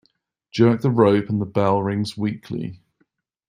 Jerk the rope and the bell rings weakly.